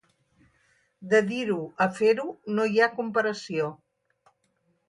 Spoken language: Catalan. De dir-ho a fer-ho, no hi ha comparació.